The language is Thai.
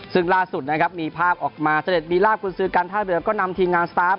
ซึ่งล่าสุดนะครับมีภาพออกมาเสด็จมีลาบกุญสือการท่าเรือก็นำทีมงานสตาร์ฟ